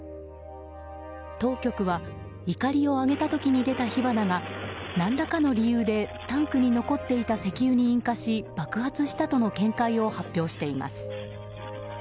当局はいかりをあげた時に出た火花が何らかの理由でタンクに残っていた石油に引火し爆発したとの見解を発表しています。